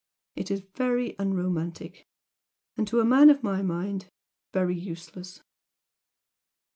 It is very unromantic! And to a man of my mind, very useless."